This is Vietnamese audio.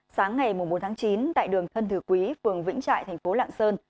sáng ngày bốn chín tại đường thân thừa quý phường vĩnh trại thành phố lạng sơn